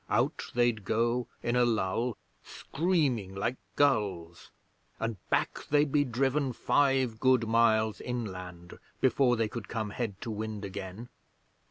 Out they'd go in a lull, screaming like gulls, and back they'd be driven five good miles inland before they could come head to wind again.